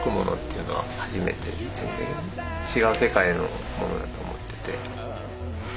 違う世界のものだと思ってて。